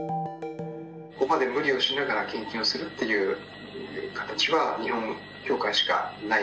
ここまで無理をしながら献金をするっていう形は、日本教会しかない。